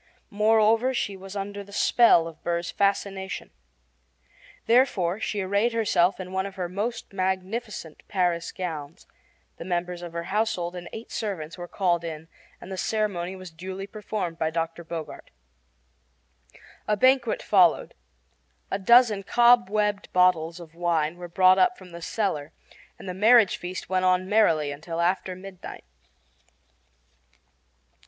Moreover, she was under the spell of Burr's fascination. Therefore she arrayed herself in one of her most magnificent Paris gowns; the members of her household and eight servants were called in and the ceremony was duly performed by Dr. Bogart. A banquet followed. A dozen cobwebbed bottles of wine were brought up from the cellar, and the marriage feast went on merrily until after midnight.